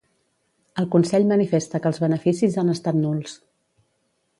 El Consell manifesta que els beneficis han estat nuls